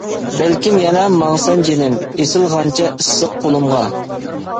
بەلكىم يەنە ماڭىسەن جېنىم، ئېسىلغانچە ئىسسىق قولۇمغا.